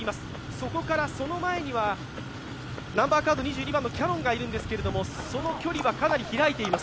そこからその前にはナンバーカード２２番のキヤノンがいるんですけどその距離はかなり開いています。